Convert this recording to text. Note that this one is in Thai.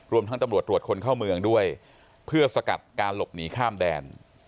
รวมทั้งตำรวจตรวจคนเข้าเมืองด้วยเพื่อสกัดการหลบหนีข้ามแดน